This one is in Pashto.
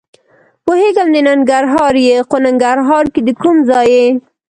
پوهېږم د ننګرهار یې؟ خو ننګرهار کې د کوم ځای یې؟